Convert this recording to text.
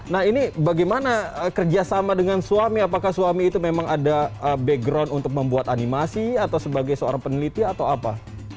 nah ini bagaimana kerjasama dengan suami apakah suami itu memang ada background untuk membuat animasi atau sebagai seorang peneliti atau apa